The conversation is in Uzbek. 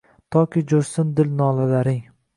Toki jo’shsin dil nolalaring.